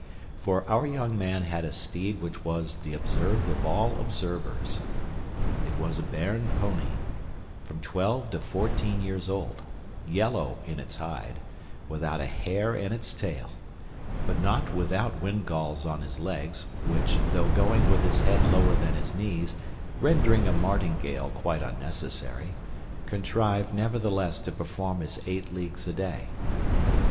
For our young man had a steed which was the observed of all observers. It was a Béarn pony, from twelve to fourteen years old, yellow in his hide, without a hair in his tail, but not without windgalls on his legs, which, though going with his head lower than his knees, rendering a martingale quite unnecessary, contrived nevertheless to perform his eight leagues a day.